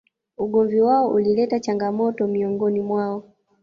Ugomvi wao ulileta changamoto miongoni mwao